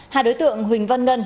hai đối tượng huỳnh văn ngân